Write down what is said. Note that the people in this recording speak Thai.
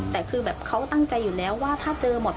แต่คือแบบเขาตั้งใจอยู่แล้วว่าถ้าเจอหมด